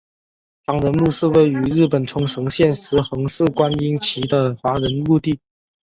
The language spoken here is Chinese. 唐人墓是位于日本冲绳县石垣市观音崎的华人墓地。